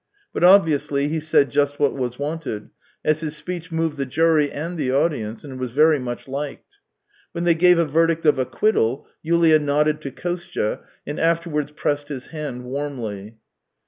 But obviously, he said just what was wanted, as his speech moved the jury and the audience, and was very much liked. When they gave a verdict of acquittal, Yulia nodded to Kostya, and afterwards pressed his hand warmly.